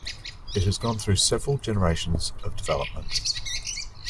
It has gone through several generations of development.